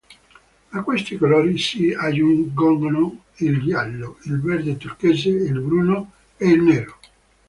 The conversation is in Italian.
A questi colori si aggiungono il giallo, il verde turchese, il bruno, il nero.